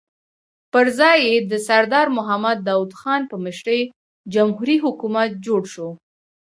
پر ځای یې د سردار محمد داؤد خان په مشرۍ جمهوري حکومت جوړ شو.